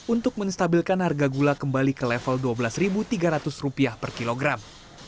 untuk menstabilkan harga gula kembali ke level rp dua belas tiga ratus per kilogram